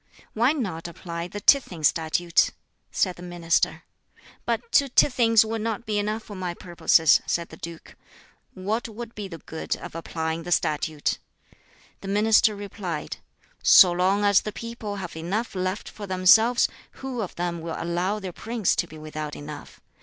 "Why not apply the Tithing Statute?" said the minister. "But two tithings would not be enough for my purposes," said the duke; "what would be the good of applying the Statute?" The minister replied, "So long as the people have enough left for themselves, who of them will allow their prince to be without enough?